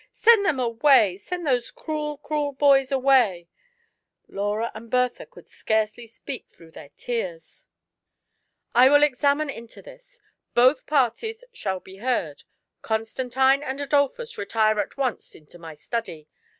''Send them away — send those cruel, ciniel boys away !" Laura and Bertha could scarcely speak through their tears. " I will examine into this ; both parties shall be heard. Constantine and Adolphus, retire at once into my study.